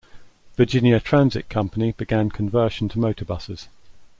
Virginia Transit Company began conversion to motor buses.